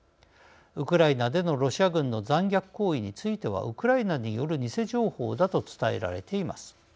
ウクライナでのロシア軍の残虐行為については「ウクライナよる偽情報」だと伝えられています。